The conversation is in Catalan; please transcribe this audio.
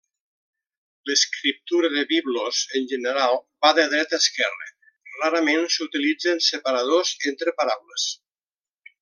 L'escriptura de Biblos en general va de dreta a esquerra; rarament s'utilitzen separadors entre paraules.